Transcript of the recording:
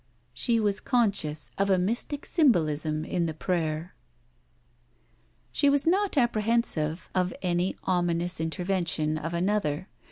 She was conscious of a mystic symbolism in the prayer. She was not apprehensive of any ominous intervention of another.